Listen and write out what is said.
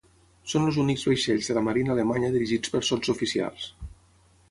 Són els únics vaixells de la marina alemanya dirigits per sotsoficials.